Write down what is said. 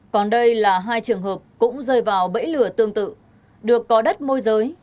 còn đây là hai trường hợp cũng rơi vào bẫy lửa tương tự được có đất môi giới